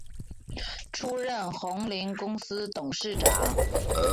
出任鸿霖公司董事长。